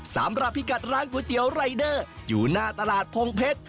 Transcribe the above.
สำหรับพี่กัดร้านก๋วยเตี๋ยวไรเดอร์อยู่หน้าตลาดพงเพชร